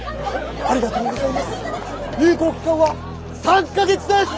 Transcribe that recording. ありがとうございます。